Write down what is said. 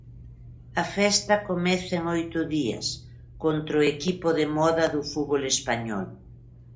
A festa comeza en oito días, contra o equipo de moda do fútbol español.